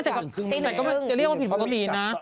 จะเรียกว่าผิดอยู่ตีน่ะ